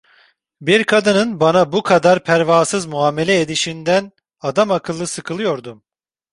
Bir kadının bana bu kadar pervasız muamele edişinden adamakıllı sıkılıyordum.